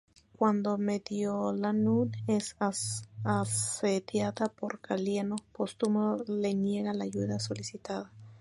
Cuando Mediolanum es asediada por Galieno, Póstumo le niega la ayuda solicitada.